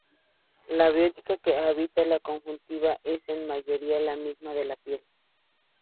La biota que habita la conjuntiva es en mayoría la misma de la piel.